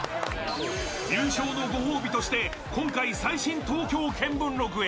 優勝のご褒美として今回「最新東京見聞録」へ。